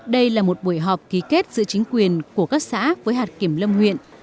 đây là một buổi họp ký kết giữa chính quyền của các xã với hạt kiểm lâm huyện